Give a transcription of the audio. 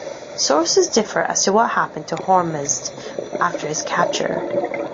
Sources differ as to what happened to Hormizd after his capture.